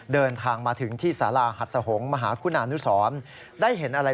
เดินทางมาถึงที่ศาลาหัดศโฮงมหาคุณอนุสร